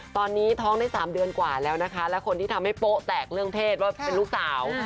ตอนนี้ท้องได้๓เดือนกว่าแล้วนะคะและคนที่ทำให้โป๊ะแตกเรื่องเพศว่าเป็นลูกสาว